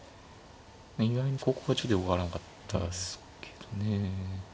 意外にここがちょっとよく分からんかったっすけどね。